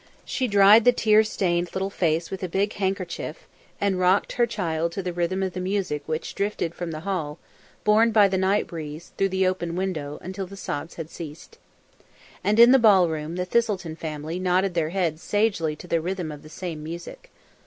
She dried the tear stained little face with a big handkerchief, and rocked her child to the rhythm of the music which drifted from the hall, borne by the night breeze, through the open window, until the sobs had ceased. And in the ball room the Thistleton family nodded their heads sagely to the rhythm of the same music.